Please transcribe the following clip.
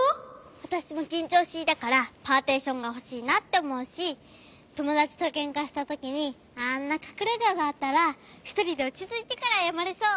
わたしもきんちょうしいだからパーティションがほしいなっておもうしともだちとけんかしたときにあんなかくれががあったらひとりでおちついてからあやまれそう。